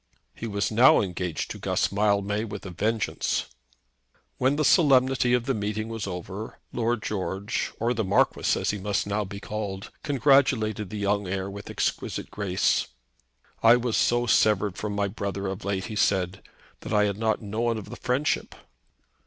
He was now engaged to Guss Mildmay with a vengeance! When the solemnity of the meeting was over, Lord George, or the Marquis, as he must now be called, congratulated the young heir with exquisite grace. "I was so severed from my brother of late," he said, "that I had not known of the friendship."